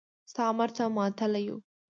ستا امر ته ماتله يو.